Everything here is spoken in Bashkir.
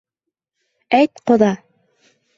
Әйт, ҡоҙа!